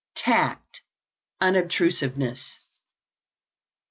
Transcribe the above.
TACT UNOBTRUSIVENESS.